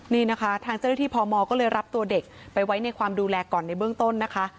นี่นะคะทางเจ้าหน้าที่พมก็เลยรับตัวเด็กไปไว้ในความดูแลก่อนในเบื้องต้นนะคะ